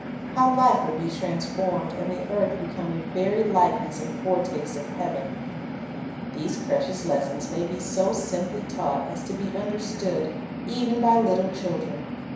How life would be transformed, and the earth become a very likeness and foretaste of heaven ! These precious lessons may be so simply taught as to be understood, even by little children.